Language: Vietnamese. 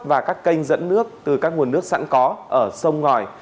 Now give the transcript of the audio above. và các kênh dẫn nước từ các nguồn nước sẵn có ở sông ngòi